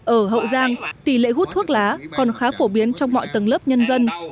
ở hậu giang tỷ lệ hút thuốc lá còn khá phổ biến trong mọi tầng lớp nhân dân